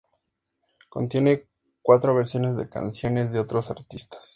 Contiene cuatro versiones de canciones de otros artistas.